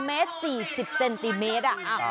เมตร๔๐เซนติเมตร